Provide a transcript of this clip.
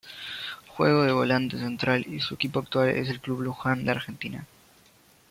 Juega de volante central y su equipo actual es el Club Luján de Argentina.